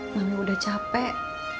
mami udah capek